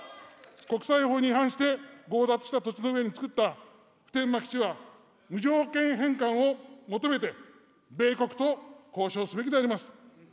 国際法に違反して強奪した土地の上につくった普天間基地は無条件返還を求めて、米国と交渉すべきであります。